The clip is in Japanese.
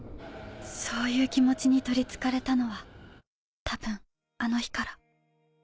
そういう気持ちに取り憑かれたのは多分あの日から。